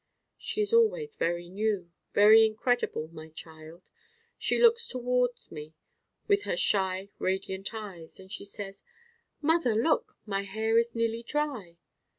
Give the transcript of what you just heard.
She is always very new, very incredible, my Child. She looks toward me with her shy radiant eyes and she says, 'Mother, look, my hair is nearly dry.